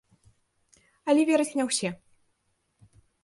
Але вераць не ўсе.